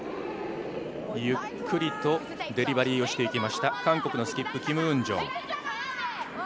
ゆっくりとデリバリーをしていきました韓国のスキップ・キム・ウンジョン。